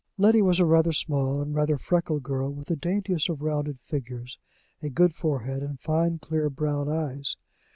Letty was a rather small and rather freckled girl, with the daintiest of rounded figures, a good forehead, and fine clear brown eyes.